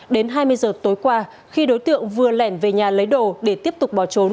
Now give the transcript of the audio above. đến hai mươi giờ tối qua khi đối tượng vừa lẻn về nhà lấy đồ để tiếp tục bỏ trốn